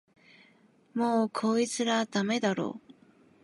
もうこいつらダメだろ